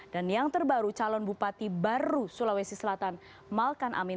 dan yang terbaru calon bupati baru sulawesi selatan malkan amin